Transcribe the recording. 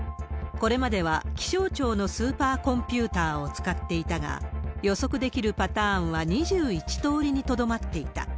これまでは気象庁のスーパーコンピューターを使っていたが、予測できるパターンは２１通りにとどまっていた。